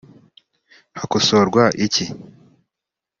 hakosorwa iki